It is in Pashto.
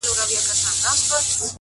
مثبت انسان د هیلو اور بل ساتي